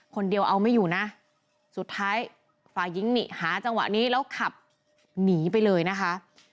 คนเดียวเอาไม่อยู่นะสุดท้ายฝ่ายหญิงนี่หาจังหวะนี้แล้วขับหนีไปเลยนะคะ